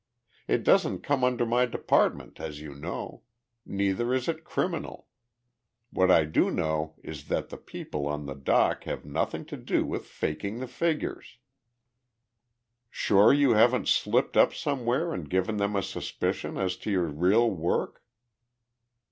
It doesn't come under my department, as you know. Neither is it criminal. What I do know is that the people on the dock have nothing to do with faking the figures." "Sure you haven't slipped up anywhere and given them a suspicion as to your real work?"